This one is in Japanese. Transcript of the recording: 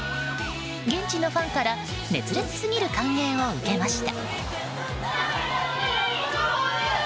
現地のファンから熱烈すぎる歓迎を受けました。